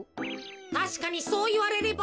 たしかにそういわれれば。